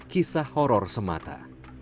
kisah horor semata